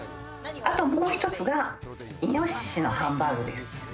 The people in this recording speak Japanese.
あともう１つがイノシシのハンバーグです。